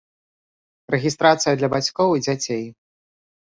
Рэгістрацыя для бацькоў і дзяцей.